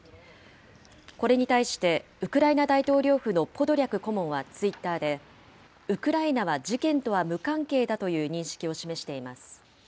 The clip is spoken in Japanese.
これに対して、ウクライナ大統領府のポドリャク顧問はツイッターで、ウクライナは事件とは無関係だという認識を示しています。